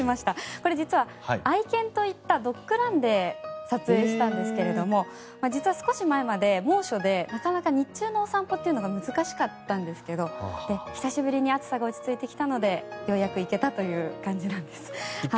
これ、実は愛犬と行ったドッグランで撮影したんですが実は少し前まで猛暑でなかなか日中のお散歩というのが難しかったんですけど久しぶりに暑さが落ち着いてきたのでようやく行けたという感じなんです。